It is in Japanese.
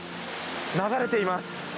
流れています。